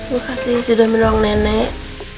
makasih sudah mendorong nenek